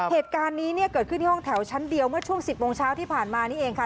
เหตุการณ์นี้เนี่ยเกิดขึ้นที่ห้องแถวชั้นเดียวเมื่อช่วง๑๐โมงเช้าที่ผ่านมานี่เองค่ะ